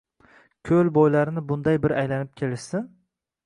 Koʼl boʼylarini bunday bir aylanib kelishsin.